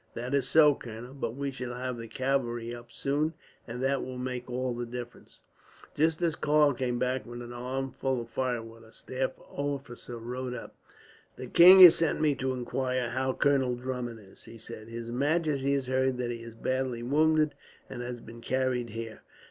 "That is so, colonel; but we shall have the cavalry up soon, and that will make all the difference." Just as Karl came back with an armful of firewood, a staff officer rode up. "The king has sent me to inquire how Colonel Drummond is," he said. "His majesty has heard that he is badly wounded, and has been carried here."